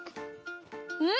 うん！